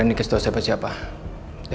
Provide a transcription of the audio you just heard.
aku nggak berani kasih tahu siapa siapa